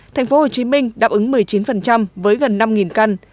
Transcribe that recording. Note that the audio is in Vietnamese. tp hcm đáp ứng một mươi chín với gần năm căn